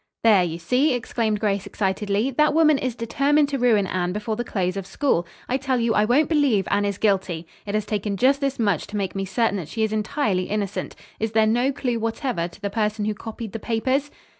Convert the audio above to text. "There, you see," exclaimed Grace excitedly, "that woman is determined to ruin Anne before the close of school. I tell you, I won't believe Anne is guilty. It has taken just this much to make me certain that she is entirely innocent. Is there no clue whatever to the person who copied the papers?"